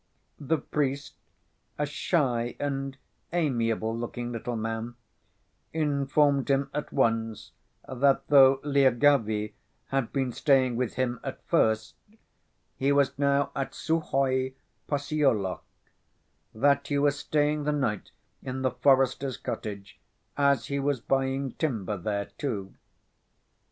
The priest, a shy and amiable looking little man, informed him at once that though Lyagavy had been staying with him at first, he was now at Suhoy Possyolok, that he was staying the night in the forester's cottage, as he was buying timber there too.